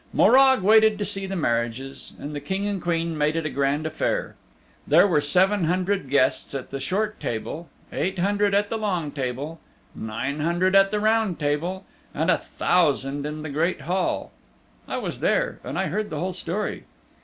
Morag waited to see the marriages, and the King and Queen made it a grand affair. There were seven hundred guests at the short table, eight hundred at the long table, nine hundred at the round table, and a thousand in the great hall. I was there, and I heard the whole story.